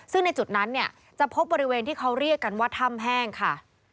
ซึ่งในจุดนั้นเนี่ยจะพบบริเวณที่เขาเรียกกันว่าถ้ำแห้งค่ะ